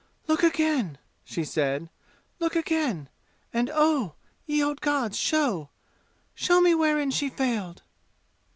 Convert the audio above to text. "Look again!" she said. "Look again! And oh, ye old gods, show show me wherein she failed!"